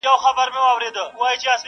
خو زړه کي سيوری شته تل.